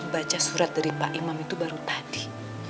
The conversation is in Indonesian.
baca surat dari pak imam itu baru tadi